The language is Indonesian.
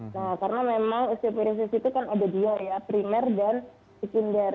nah karena memang usia piris itu kan ada dia ya primer dan sekinder